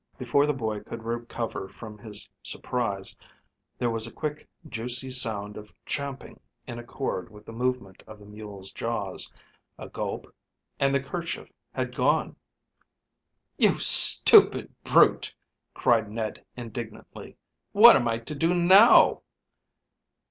Before the boy could recover from his surprise there was a quick juicy sound of champing in accord with the movement of the mule's jaws, a gulp, and the kerchief had gone. "You stupid brute!" cried Ned indignantly. "What am I to do now?"